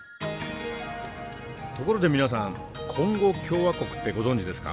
ところで皆さんコンゴ共和国ってご存じですか？